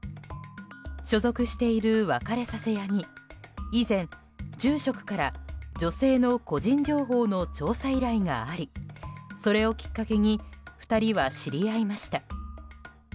所属している別れさせ屋に以前、住職から女性の個人情報の調査依頼がありそれをきっかけに２人は知り合いました。